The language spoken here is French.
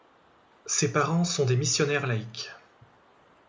Ses parents sont des missionnaires laïcs.